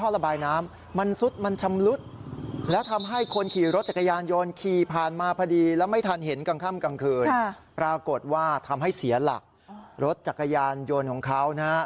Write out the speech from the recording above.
รถจักรยานยนต์ของเขานะฮะ